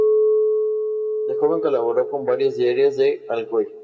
De joven colaboró con varios diarios de Alcoy.